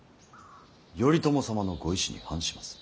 頼朝様のご遺志に反します。